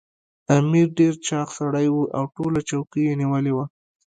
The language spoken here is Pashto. امیر ډېر چاغ سړی وو او ټوله چوکۍ یې نیولې وه.